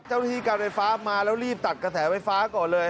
ที่การไฟฟ้ามาแล้วรีบตัดกระแสไฟฟ้าก่อนเลย